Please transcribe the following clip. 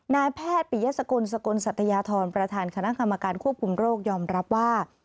นายแพทย์ปิยสกุลสกลสัตยาธรประธานคณะกรรมการควบคุมโรคยอมรับว่า